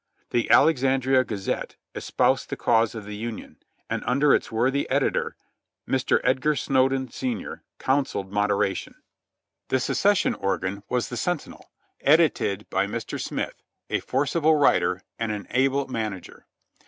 The Alexandria Gazette espoused the cause of the Union, and under its worthy editor, Mr. Edgar Snowden, Sr., counseled moderation. 1 8 JOHNNY REB AND BIIvI^Y YANK The secession organ was the Sentinel, edited by Mr. Smith, a forcible writer and an able manager.